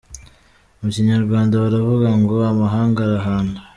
Mu Kinyarwanda baravuga ngo "amahanga arahanda".